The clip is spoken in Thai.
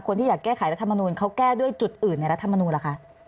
คนที่อยากแก้ไขรัฐธรรมนุนเขาแก้ด้วยจุดอื่นในรัฐธรรมนุนล่ะคะ